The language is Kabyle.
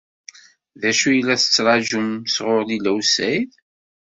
D acu i la tettṛaǧum sɣur Lila u Saɛid?